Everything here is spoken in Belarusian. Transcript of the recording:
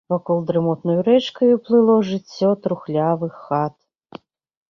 Вакол дрымотнаю рэчкаю плыло жыццё трухлявых хат.